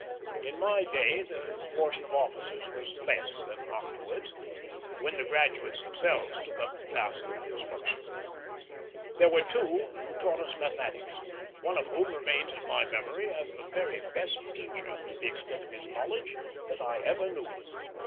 In my day the proportion of officers was less than afterwards, when the graduates themselves took up the task of instruction. There were two who taught us mathematics, one of whom remains in my memory as the very best teacher, to the extent of his knowledge, that I ever knew.